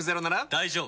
大丈夫。